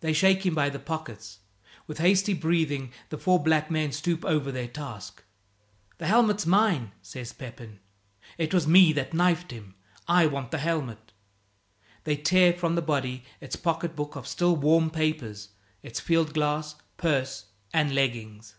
They shake him by the pockets; with hasty breathing the four black men stoop over their task. "The helmet's mine," says Pepin. "It was me that knifed him, I want the helmet." They tear from the body its pocket book of still warm papers, its field glass, purse, and leggings.